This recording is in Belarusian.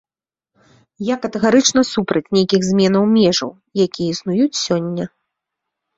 Я катэгарычна супраць нейкіх зменаў межаў, якія існуюць сёння.